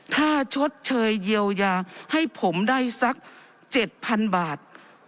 ถ้าชดเชยเยียวยาให้ผมได้สัก๗๐๐๐บาท